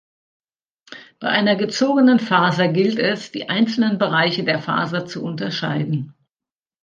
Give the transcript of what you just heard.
Bei einer gezogenen Faser gilt es die einzelnen Bereiche der Faser zu unterscheiden.